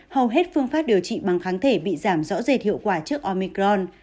hầu hết phương pháp điều trị bằng kháng thể bị giảm rõ rệt hiệu quả trước omicron